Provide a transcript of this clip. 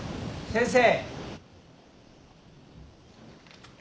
先生。